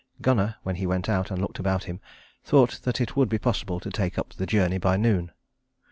Gunnar, when he went out and looked about him, thought that it would be possible to take up the journey by noon.